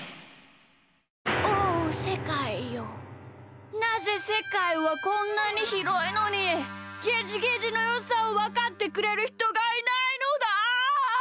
おおせかいよなぜせかいはこんなにひろいのにゲジゲジのよさをわかってくれるひとがいないのだ！